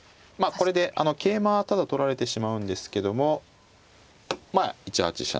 これで桂馬はただ取られてしまうんですけどもまあ１八飛車